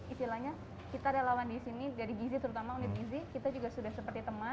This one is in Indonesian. istilahnya kita relawan di sini dari gizi terutama unit gizi kita juga sudah seperti teman